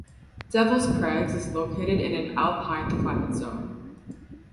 Devils Crags is located in an alpine climate zone.